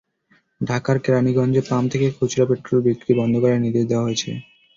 ঢাকার কেরানীগঞ্জে পাম্প থেকে খুচরা পেট্রল বিক্রি বন্ধ করার নির্দেশ দেওয়া হয়েছে।